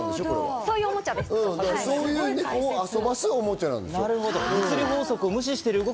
そういう猫を遊ばすおもちゃなんでしょ。